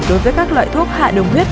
đối với các loại thuốc hạ đồng huyết